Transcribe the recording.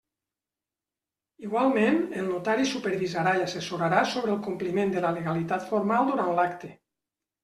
Igualment, el notari supervisarà i assessorarà sobre el compliment de la legalitat formal durant l'acte.